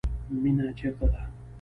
مینه چیرته ده؟